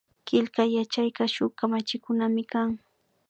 Killkay yachayka shuk kamachikunamikan